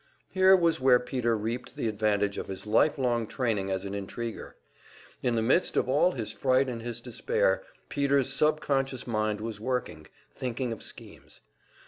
Here was where Peter reaped the advantage of his lifelong training as an intriguer. In the midst of all his fright and his despair, Peter's subconscious mind was working, thinking of schemes.